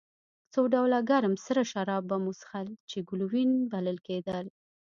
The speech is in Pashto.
څو ډوله ګرم سره شراب به مو څښل چې ګلووېن بلل کېدل.